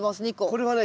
これはね